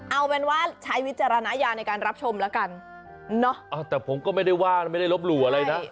เอาเป็นว่าใช้วิจารณญาณในการรับชมแล้วกันเนอะแต่ผมก็ไม่ได้ว่าไม่ได้ลบหลู่อะไรนะ